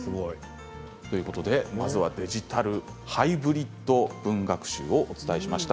まずはデジタルハイブリッド文学集をお伝えしました。